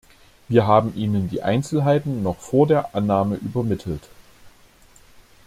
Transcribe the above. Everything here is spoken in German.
Wir haben Ihnen die Einzelheiten noch vor der Annahme übermittelt.